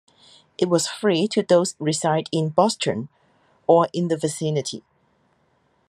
It was free to those who reside in Boston, or in the vicinity.